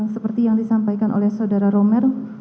seperti yang disampaikan oleh saudara romer